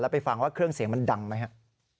ไปฟังว่าเครื่องเสียงมันดังไหมครับ